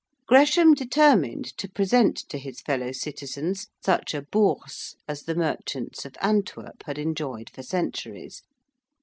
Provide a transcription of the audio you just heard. Gresham determined to present to his fellow citizens such a Bourse as the merchants of Antwerp had enjoyed for centuries.